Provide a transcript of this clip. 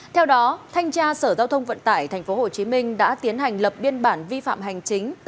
theo đó thanh tra sở giao thông vận tải tp hcm đã tiến hành lập biên bản vi phạm hành chính